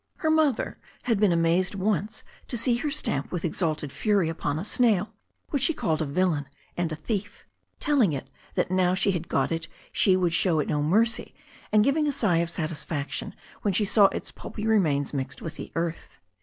Her mother had been amazed once to see her stamp with exalted fury upon a snail, which she called a villain and a thief, telling it that now she had Igot it she would show it no mercy, and giving a sigh of satisfaction when she saw its pulpy remains mixed with the earth.